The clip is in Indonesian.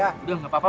masih tahan off ya